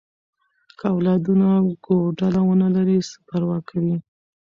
که اولادونه کوډله ونه لري، څه پروا کوي؟